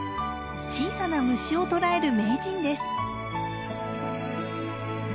小さな虫を捕らえる名人です。